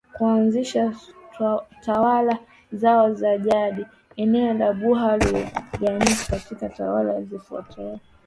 Kuanzisha tawala zao za jadi eneo la buha liligawanyika katika tawala zifuatazo